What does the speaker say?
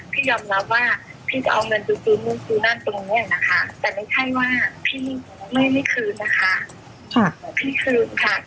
พี่ยอมรับว่าเพียงเงินสูงน่ะนี่แต่ไม่ใช่ว่าพี่ไม่ได้คืนนะคะ